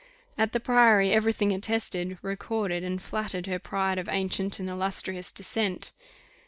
At the Priory every thing attested, recorded, and flattered her pride of ancient and illustrious descent.